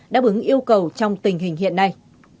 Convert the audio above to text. đáp ứng yêu cầu trong tình hình hiện nay